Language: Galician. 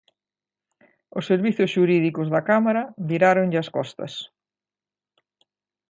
Os servizos xurídicos da cámara viráronlle as costas.